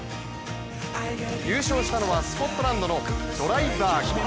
優勝したのはスコットランドのドライバーグ。